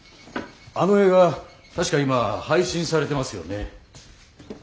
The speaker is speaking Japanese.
あの映画確か今配信されてますよね。